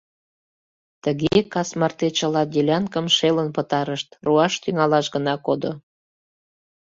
Тыге кас марте чыла делянкым шелын пытарышт, руаш тӱҥалаш гына кодо.